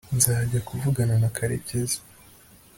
nzajya kuvugana na karekezi